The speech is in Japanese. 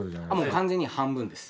完全に半分です。